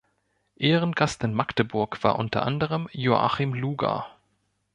Ehrengast in Magdeburg war unter anderem Joachim Luger.